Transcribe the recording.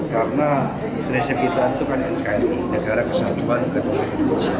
karena resep kita itu kan nkri negara kesatuan